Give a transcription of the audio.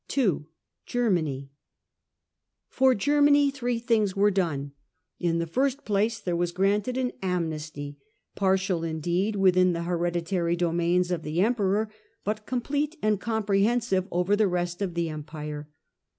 2 . Germany. For Germany three things were done. In the first place there was granted an amnesty, partial indeed Political within the hereditary domains of the Emperor, amnesty. but complete and comprehensive over the rest of the Empire.